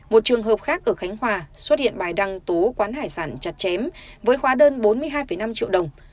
một trường hợp khác ở khánh hòa xuất hiện bài đăng tố quán hải sản chặt chém với hóa đơn bốn mươi hai năm triệu đồng